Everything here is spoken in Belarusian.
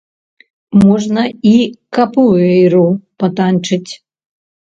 Можна і капуэйру патанчыць.